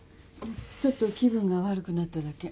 ちょっと気分が悪くなっただけ。